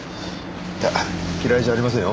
いや嫌いじゃありませんよ。